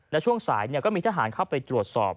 และช่วงสายก็มีทหารเข้าไปตรวจสอบ